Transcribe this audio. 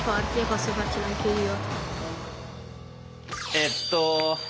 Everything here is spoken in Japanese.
えっと